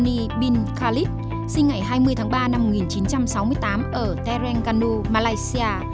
jamroony khalid sinh ngày hai mươi tháng ba năm một nghìn chín trăm sáu mươi tám ở terengganu malaysia